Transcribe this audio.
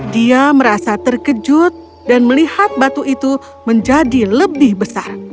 dia merasa terkejut dan melihat batu itu menjadi lebih besar